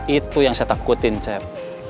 itu yang saya takutin cep